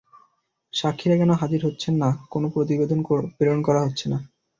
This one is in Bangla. সাক্ষীরা কেন হাজির হচ্ছেন না, কোনো প্রতিবেদন প্রেরণ করা হচ্ছে না।